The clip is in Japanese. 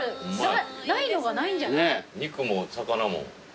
肉も魚も。